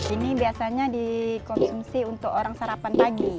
ini biasanya dikonsumsi untuk orang sarapan pagi